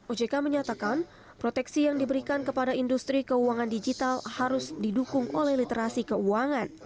ojk menyatakan proteksi yang diberikan kepada industri keuangan digital harus didukung oleh literasi keuangan